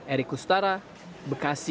erik kustara bekasi